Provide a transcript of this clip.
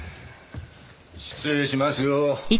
失礼しますよ。